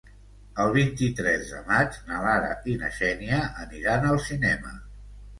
El vint-i-tres de maig na Lara i na Xènia aniran al cinema.